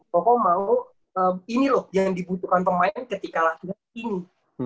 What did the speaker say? pokoknya mau ini loh yang dibutuhkan pemain ketika latihan ini